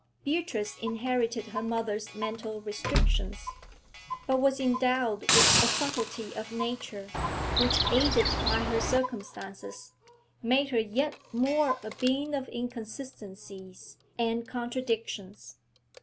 Beatrice inherited her mother's mental restrictions, but was endowed with a subtlety of nature, which, aided by her circumstances, made her yet more a being of inconsistencies and contradictions.